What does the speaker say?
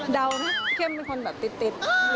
เดาเข้มเป็นคนติด